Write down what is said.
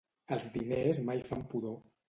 Els diners mai fan pudor.